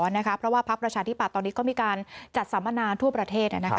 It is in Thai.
เพราะว่าพักประชาธิบัตย์ตอนนี้ก็มีการจัดสัมมนาทั่วประเทศ